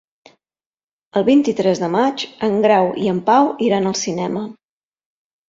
El vint-i-tres de maig en Grau i en Pau iran al cinema.